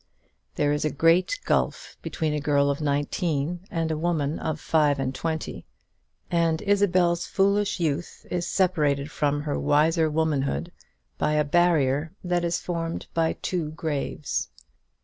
There is a great gulf between a girl of nineteen and a woman of five and twenty; and Isabel's foolish youth is separated from her wiser womanhood by a barrier that is formed by two graves.